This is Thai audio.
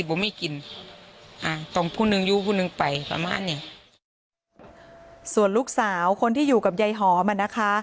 ส่วนลูกสาวคนที่อยู่กับใยหอมอะนะคะ